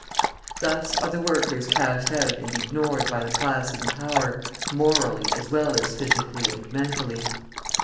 Thus are the workers cast out and ignored by the class in power, morally as well as physically and mentally.